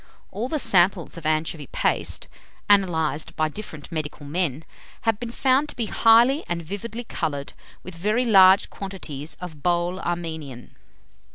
All the samples of anchovy paste, analyzed by different medical men, have been found to be highly and vividly coloured with very large quantities of bole Armenian."